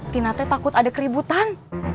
tina t takut ada keributan